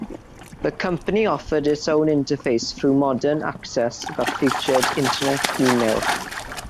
The company offered its own interface through modem access that featured Internet email.